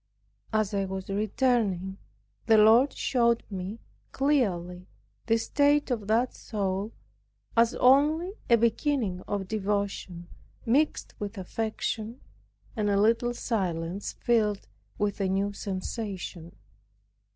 As I was returning, the Lord showed me clearly the state of that soul, as only a beginning of devotion mixed with affection and a little silence, filled with a new sensation.